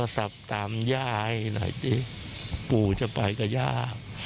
โทรตามย่าให้หน่อยจริงปู่จะไปกับย่า